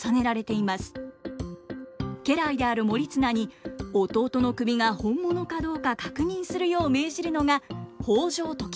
家来である盛綱に弟の首が本物かどうか確認するよう命じるのが北条時政。